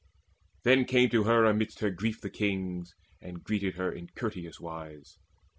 Then came to her amidst her grief the kings, And greeted her in courteous wise.